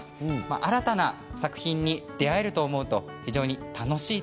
新たな作品に出会えると思うと楽しい。